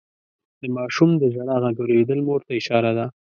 د ماشوم د ژړا غږ اورېدل مور ته اشاره ده.